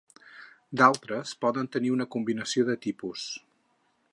D'altres poden tenir una combinació de tipus.